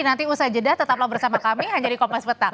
nanti usaha jeda tetaplah bersama kami di kompas petang